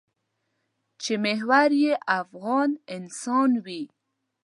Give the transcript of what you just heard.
چې محور یې افغان انسان وي.